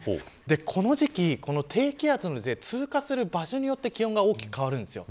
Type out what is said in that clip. この時期、低気圧が通過する場所によって気温が大きく変わるんです。